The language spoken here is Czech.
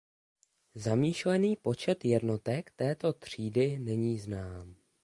Zamýšlený počet jednotek této třídy není znám.